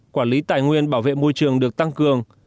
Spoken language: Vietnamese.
quản lý tài nguyên bảo vệ môi trường được tăng cường